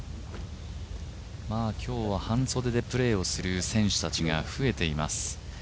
今日は半袖でプレーをする選手たちが増えています。